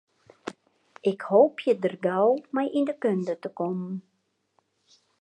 Ik hoopje dêr gau mei yn de kunde te kommen.